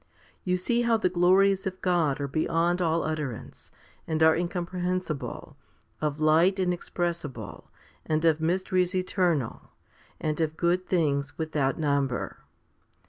You see how the glories of God are beyond all utterance, and are incomprehensible, of light inexpressible, and of mysteries eternal, and of good things without number.